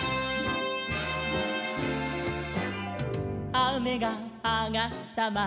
「あめがあがったまちに」